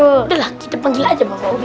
udah lah kita panggil aja bang obed